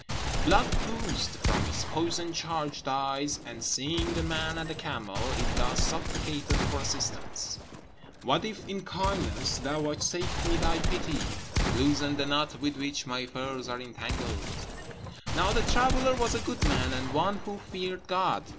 Blood oozed from its poison charged eyes; and, seeing the man and the camel, it thus supplicated for assistance "What if in kindness thou vouchsafe me thy pity; Loosen the knot with which my affairs are entangled." Now the traveller was a good man, and one who feared God.